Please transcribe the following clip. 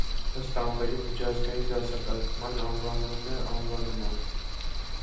Ըստ ամպերի միջազգային դասակարգման անվանվում է անվանումով։